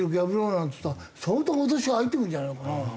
なんっつったら相当脅しが入ってくるんじゃないのかな。